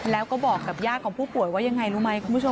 แล้วก็บอกกับญาติของผู้ป่วยว่ายังไงรู้ไหมคุณผู้ชม